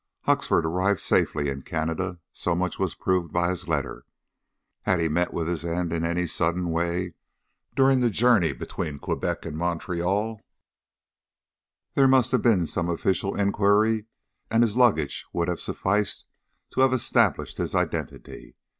Huxford arrived safely in Canada so much was proved by his letter. Had he met with his end in any sudden way during the journey between Quebec and Montreal, there must have been some official inquiry, and his luggage would have sufficed to have established his identity.